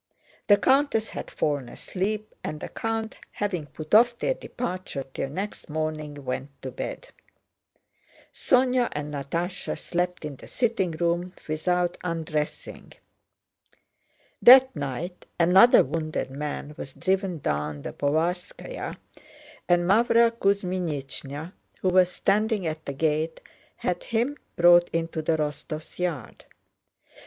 The countess had fallen asleep and the count, having put off their departure till next morning, went to bed. Sónya and Natásha slept in the sitting room without undressing. That night another wounded man was driven down the Povarskáya, and Mávra Kuzmínichna, who was standing at the gate, had him brought into the Rostóvs' yard.